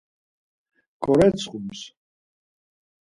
Ǩoretsxums.